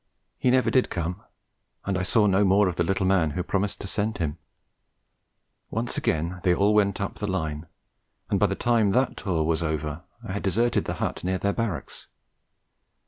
He never did come, and I saw no more of the little man who promised to send him. Once again they all went up the Line, and by the time that tour was over I had deserted the hut near their barracks.